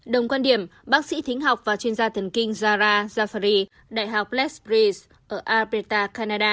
đồng quan điểm bác sĩ thính học và chuyên gia thần kinh zahra zafari đại học lethbridge ở alberta canada